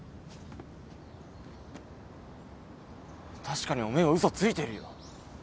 確かにおめえは嘘ついてるよ。